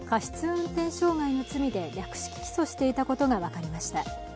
運転傷害の罪で略式起訴してたことが分かりました。